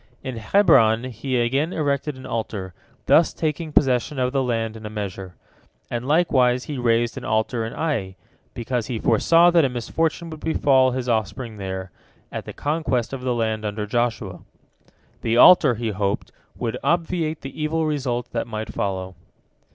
In Hebron he again erected an altar, thus taking possession of the land in a measure. And likewise he raised an altar in Ai, because he foresaw that a misfortune would befall his offspring there, at the conquest of the land under Joshua. The altar, he hoped, would obviate the evil results that might follow.